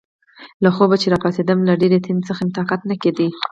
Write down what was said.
له خوبه چې راپاڅېدم، له ډېرې تندې څخه مې طاقت نه کېده.